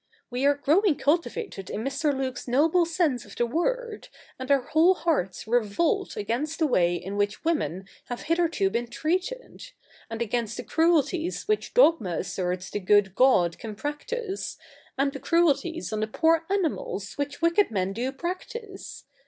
We are growing cultivated in Mr. Luke's noble sense of the word, and our whole hearts revolt against the way in which women have hitherto been treated, and against the cruelties which dogma asserts the good God can practise, and the cruelties on the poor animals which wicked men do practise.